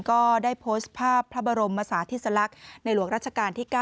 ก็ได้โพสต์ภาพพระบรมศาธิสลักษณ์ในหลวงราชการที่๙